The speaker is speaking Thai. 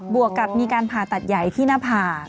วกกับมีการผ่าตัดใหญ่ที่หน้าผาก